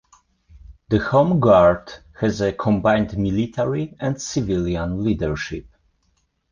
The Home Guard has a combined military and civilian leadership.